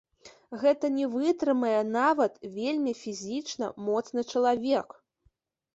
Гэтага не вытрымае нават вельмі фізічна моцны чалавек!